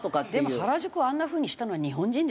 でも原宿をあんな風にしたのは日本人ですよ。